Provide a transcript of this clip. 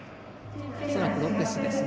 恐らくロペスですね。